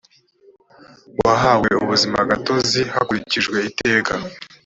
wahawe ubuzima gatozi hakurikijwe iteka